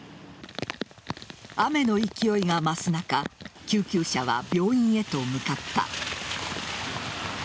雨の勢いが増す中救急車は病院へと向かった。